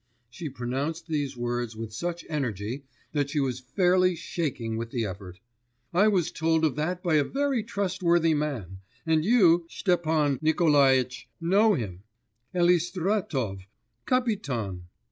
She pronounced these words with such energy that she was fairly shaking with the effort. 'I was told of that by a very trustworthy man. And you, Stepan Nikolaitch, know him Elistratov, Kapiton.